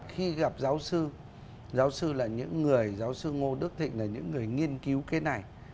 khi gặp giáo sư giáo sư là những người giáo sư ngô đức thịnh là những người nghiên cứu cái này